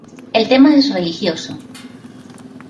El tema es religioso.